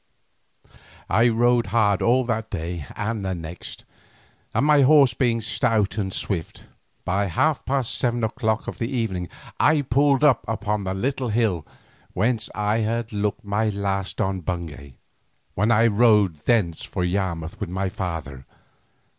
I rode hard all that day and the next, and my horse being stout and swift, by half past seven o'clock of the evening I pulled up upon the little hill whence I had looked my last on Bungay, when I rode thence for Yarmouth with my father.